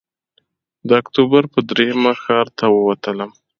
د اکتوبر پر درېیمه ښار ته ووتلم.